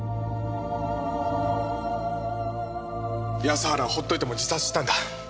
安原は放っといても自殺したんだ。